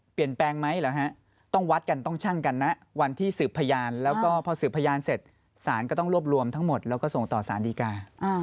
ไหมหรือฮะต้องวัดกันต้องชั่งกันนะวันที่สืบพยานแล้วก็พอสืบพยานเสร็จสารก็ต้องรวบรวมทั้งหมดแล้วก็ส่งต่อสารดีกา